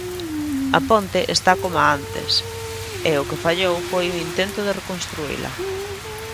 A ponte está coma antes e o que fallou foi o intento de reconstruíla.